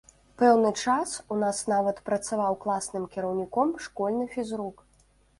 Пэўны час у нас нават працаваў класным кіраўніком школьны фізрук.